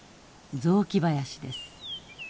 雑木林です。